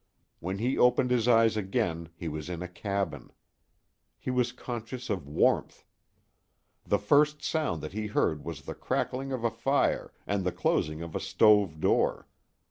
When he opened his eyes again he was in a cabin. He was conscious of warmth. The first sound that he heard was the crackling of a fire and the closing of a stove door.